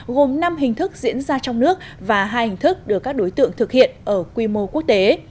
gồm năm hình thức diễn ra trong nước và hai hình thức được các đối tượng thực hiện ở quy mô quốc tế